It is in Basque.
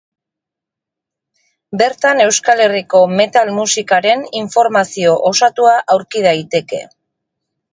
Bertan Euskal Herriko metal musikaren informazio osatua aurki daiteke.